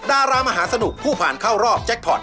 ดารามหาสนุกผู้ผ่านเข้ารอบแจ็คพอร์ต